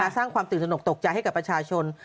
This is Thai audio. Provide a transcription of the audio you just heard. สร้างความตื่นสนกตกใจให้กับประชาชน